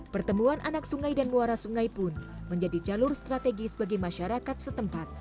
pertemuan anak sungai dan muara sungai pun menjadi jalur strategis bagi masyarakat setempat